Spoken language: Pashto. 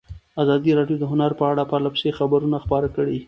ازادي راډیو د هنر په اړه پرله پسې خبرونه خپاره کړي.